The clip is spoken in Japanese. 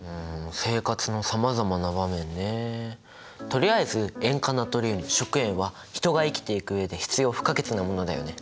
とりあえず塩化ナトリウム食塩は人が生きていく上で必要不可欠なものだよね。